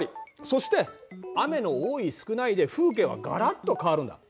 そして雨の多い少ないで風景はガラッと変わるんだ。